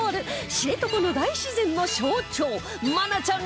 知床の大自然の象徴愛菜ちゃん